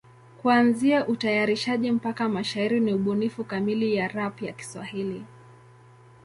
Kuanzia utayarishaji mpaka mashairi ni ubunifu kamili ya rap ya Kiswahili.